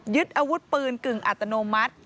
อาวุธปืนกึ่งอัตโนมัติ